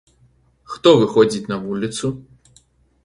Хто выходзіць на вуліцу?